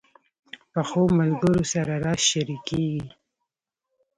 پخو ملګرو سره راز شریکېږي